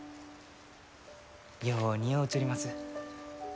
よう似合うちょります。